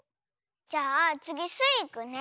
じゃあつぎスイいくね。